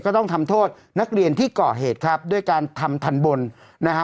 ก็ต้องทำโทษนักเรียนที่ก่อเหตุครับด้วยการทำทันบนนะฮะ